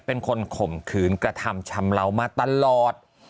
ข่มขืนกระทำชำเลามาตลอด